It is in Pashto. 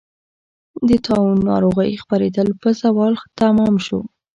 د طاعون ناروغۍ خپرېدل په زوال تمام شو.